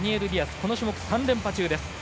この種目、３連覇中です。